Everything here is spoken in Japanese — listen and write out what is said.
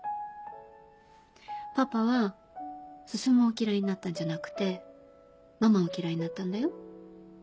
パパは進を嫌いになったんじゃなくてママを嫌いになったんだよ。